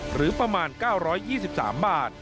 หรือประมาณ๙๒๓บาท